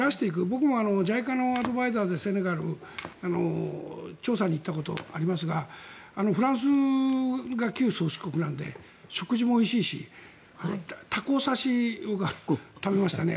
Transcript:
僕もＪＩＣＡのアドバイザーでセネガルに調査に行ったことがありますがフランスが旧宗主国なので食事もおいしいしタコ刺しを食べましたね。